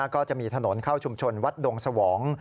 ก็จะมีถนนเข้าชุมชนวัดดงสวอง